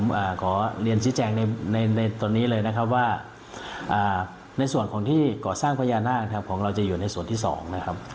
อ่าขอเรียนชี้แจงในในตอนนี้เลยนะครับว่าอ่าในส่วนของที่ก่อสร้างพญานาคนะครับของเราจะอยู่ในส่วนที่สองนะครับ